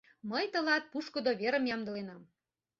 Мый тылат пушкыдо верым ямдыленам.